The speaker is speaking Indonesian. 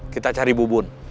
kita cari bubun